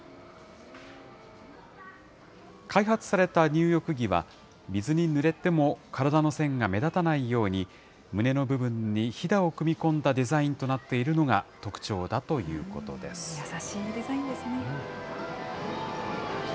開発された入浴着は、水にぬれても体の線が目立たないように、胸の部分にひだを組み込んだデザインとなっているのが特徴だとい優しいデザインですね。